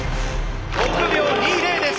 ６秒２０です。